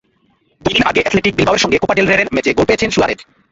দুই দিন আগে অ্যাথলেটিক বিলবাওয়ের সঙ্গে কোপা ডেল রের ম্যাচে গোল পেয়েছেন সুয়ারেজ।